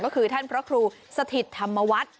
ก็คือท่านพระครูสถิตธรรมวัฒน์